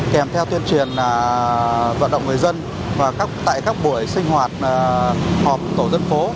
kèm theo tuyên truyền vận động người dân tại các buổi sinh hoạt họp tổ dân phố